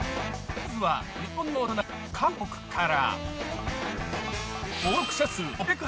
まずは日本のお隣韓国から。